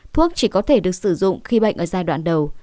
thuốc chỉ có thể được sử dụng khi bệnh ở giai đoạn đầu